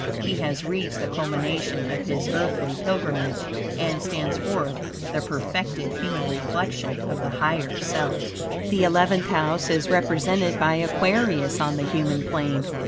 He has reached the culmination of his earthly pilgrimage, and stands forth the perfected human reflection of the higher self. The Eleventh House is represented by Aquarius on the human plane.